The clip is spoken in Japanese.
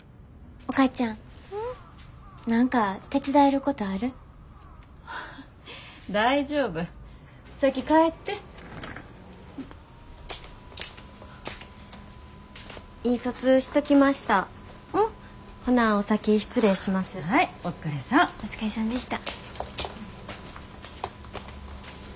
お疲れさんでした。